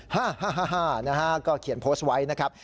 ฮ่าฮ่าฮ่านะฮะก็เขียนโพสต์ไว้นะครับ